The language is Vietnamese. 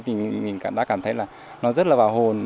thì mình cảm đã cảm thấy là nó rất là vào hồn